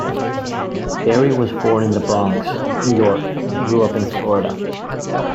Barry was born in The Bronx, New York, and grew up in Florida.